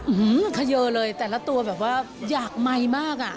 อื้อฮือขยะเลยแต่ละตัวแบบว่าอยากไมค์มาก